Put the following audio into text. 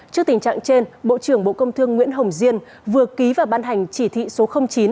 trước tình trạng trên bộ trưởng bộ công thương nguyễn hồng diên vừa ký và ban hành chỉ thị số chín